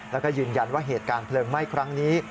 แล้วก็ยืนยันว่าเหตุการณ์เพลิงไหม้ครั้งนี้